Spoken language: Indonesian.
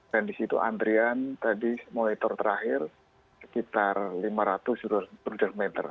dan di situ antrian tadi monitor terakhir sekitar lima ratus meter